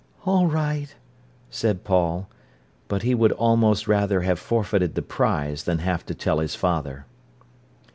"All right," said Paul. But he would almost rather have forfeited the prize than have to tell his father.